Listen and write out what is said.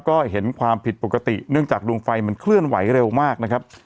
ก็เห็นความผิดปกติเนื่องจากดวงไฟมันเคลื่อนไหวเร็วมากนะครับ